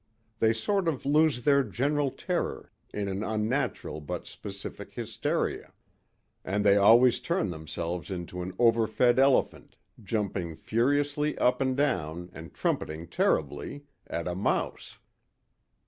They sort of lose their general terror in an unnatural but specific hysteria. And they always turn themselves into an overfed elephant jumping furiously up and down and trumpeting terribly at a mouse."